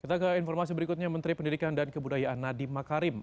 kita ke informasi berikutnya menteri pendidikan dan kebudayaan nadiem makarim